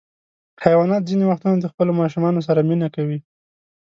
حیوانات ځینې وختونه د خپلو ماشومانو سره مینه کوي.